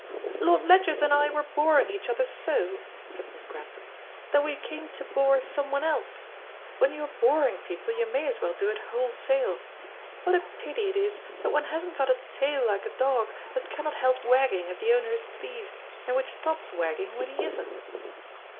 "Lord Ledgers and I were boring each other so," said Miss Grantham, "that we came to bore someone else. When you are boring people you may as well do it wholesale. What a pity it is that one hasn't got a tail like a dog, that cannot help wagging if the owner is pleased, and which stops wagging when he isn't."